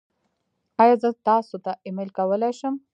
ایا زه تاسو ته ایمیل کولی شم؟